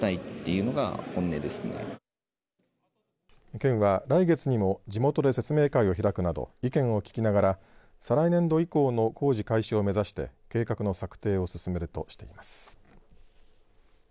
県は来月にも地元で説明会を開くなど意見を聞きながら再来年度以降の工事開始を目指して計画の策定を進めるとしています。